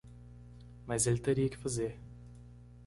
Mas ele teria que fazer.